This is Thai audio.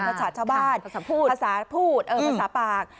ภาษาชาวบ้านภาษาพูดภาษาปาก